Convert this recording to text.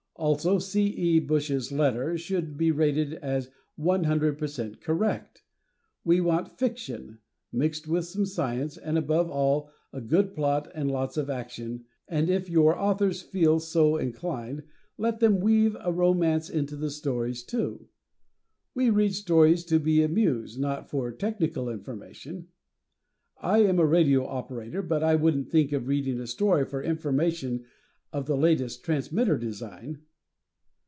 Also, C. E. Bush's letter should be rated as 100 per cent correct. We want FICTION mixed with some science, and above all a good plot and lots of action; and if your authors feel so inclined, let them weave a romance into the stories, too. "We read stories to be amused, not for technical information." I am a radio operator, but I wouldn't think of reading a story for information on the latest transmitter design.